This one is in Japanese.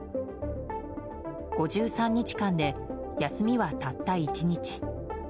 ５３日間で、休みはたった１日。